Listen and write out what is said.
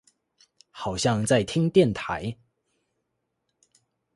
好像在聽電台